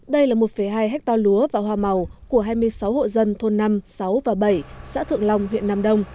đây là một hai ha lúa và hoa màu của hai mươi sáu hộ dân thôn năm sáu và bảy xã thượng long huyện nam đông